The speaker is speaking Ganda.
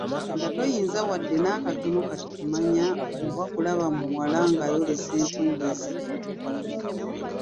Nga toyinza wadde n'akatono kati kumanya oba kulaba muwala ng'ayolesa entumbe ze.